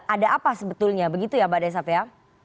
ada apa sebetulnya begitu ya mbak desa pea